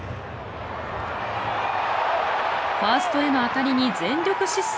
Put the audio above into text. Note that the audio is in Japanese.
ファーストへの当たりに全力疾走。